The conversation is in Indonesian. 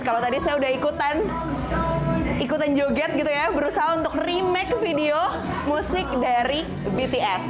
kalau tadi saya udah ikutan joget gitu ya berusaha untuk remake video musik dari bts